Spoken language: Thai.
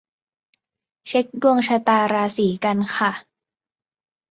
เช็กดวงชะตาราศีกันค่ะ